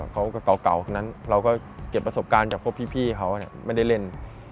เก่าคนนั้นเราก็เก็บประสบการณ์จากพวกพี่เขาไม่ได้เล่น